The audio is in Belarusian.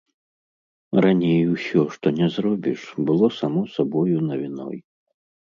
Раней усё, што не зробіш, было само сабою навіной.